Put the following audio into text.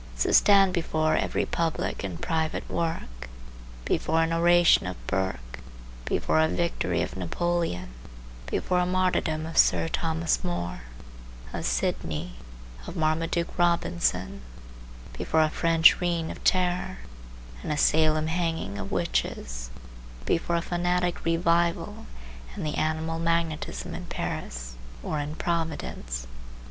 So stand before every public and private work; before an oration of Burke, before a victory of Napoleon, before a martyrdom of Sir Thomas More, of Sidney, of Marmaduke Robinson; before a French Reign of Terror, and a Salem hanging of witches; before a fanatic Revival and the Animal Magnetism in Paris, or in Providence.